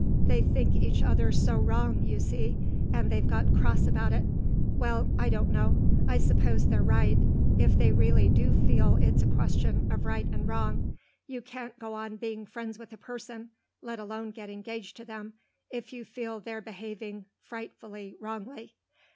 "They think each other so wrong, you see, and they've got cross about it.... Well, I don't know. I suppose they're right, if they really do feel it's a question of right and wrong. You can't go on being friends with a person, let alone get engaged to them, if you feel they're behaving frightfully wrongly.